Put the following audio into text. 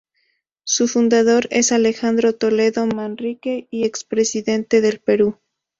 Su fundador es Alejandro Toledo Manrique, ex Presidente del Perú.